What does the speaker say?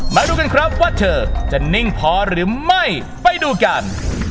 มาดูกันครับว่าเธอจะนิ่งพอหรือไม่ไปดูกัน